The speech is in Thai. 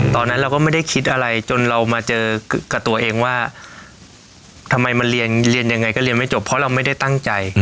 ตอนนั้นเราก็ไม่ได้คิดอะไรจนเรามาเจอกับตัวเองว่าทำไมมันเรียนยังไงก็เรียนไม่จบเพราะเราไม่ได้ตั้งใจ